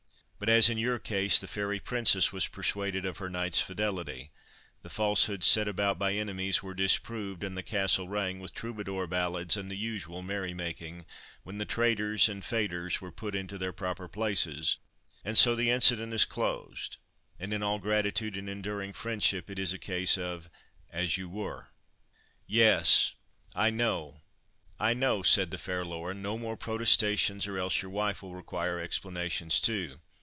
But, as in your case, the fairy princess was persuaded of her knight's fidelity; the falsehoods set about by enemies were disproved, and the castle rang with troubadour ballads, and the usual merry making, when the 'traitours and faitours' were put in their proper places; and so the incident is closed, and in all gratitude and enduring friendship it is a case of 'as you were.'" "Yes; I know, I know," said the fair Laura; "no more protestations, or else your wife will require explanations, too.